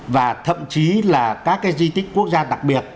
và thậm chí là các cái di tích quốc gia đặc biệt